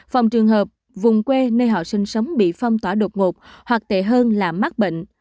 phòng trường hợp vùng quê nơi họ sinh sống bị phong tỏa đột ngột hoặc tệ hơn là mắc bệnh